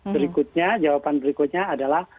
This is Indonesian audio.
berikutnya jawaban berikutnya adalah